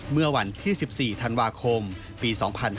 เมื่อวันที่๑๔ธันวาคมปี๒๕๕๙